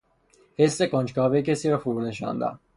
حس کنجکاوی کسی را فرونشاندن